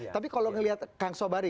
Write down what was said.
tapi kalau ngelihat kang sobari